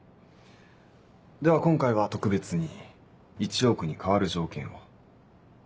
では今回は特別に１億に代わる条件を。